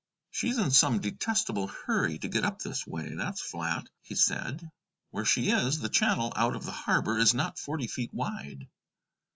"She's in some detestable hurry to get up this way, that's flat," he said; "where she is, the channel out of the harbor is not forty feet wide."